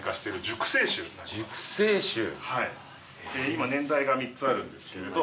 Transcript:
今年代が３つあるんですけれど。